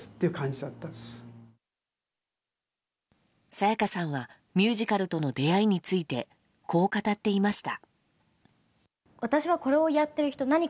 沙也加さんはミュージカルとの出会いについてこう語っていました。